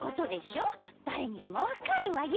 だれにでもわかるわよ。